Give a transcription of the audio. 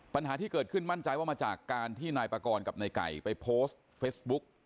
ปัญหาที่เกิดขึ้นมั่นใจว่ามาจากการที่นายปากรกับนายไก่ไปโพสต์เฟซบุ๊ก